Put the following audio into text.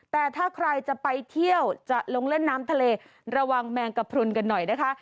แต่ถ้าใครจะไปเที่ยวจะลงเล่นน้ำทะเลระวังแมงกระพรุนกันหน่อยนะคะ